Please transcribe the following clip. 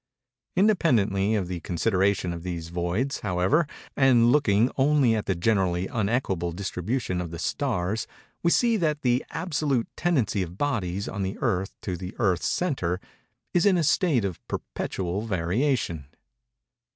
Independently of the consideration of these voids, however, and looking only at the generally unequable distribution of the stars, we see that the absolute tendency of bodies on the Earth to the Earth's centre, is in a state of perpetual variation.